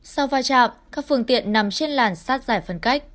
sau vai trạm các phương tiện nằm trên làn sát dài phân cách